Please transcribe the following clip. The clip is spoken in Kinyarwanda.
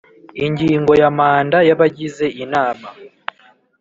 Ingingo ya manda y abagize inama